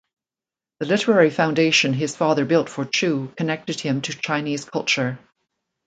The literary foundation his father built for Chu connected him to Chinese culture.